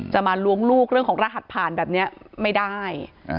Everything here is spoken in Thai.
มาล้วงลูกเรื่องของรหัสผ่านแบบนี้ไม่ได้